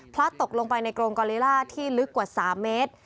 ตกลงไปในกรงกอลิล่าที่ลึกกว่า๓เมตร